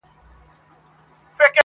• لمر کمزوری ښکاري دلته ډېر..